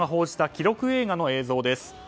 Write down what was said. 記録映画の映像です。